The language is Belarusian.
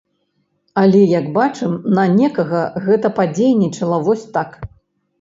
Але, як бачым, на некага гэта падзейнічала вось так.